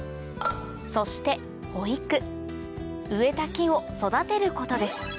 そして保育植えた木を育てることです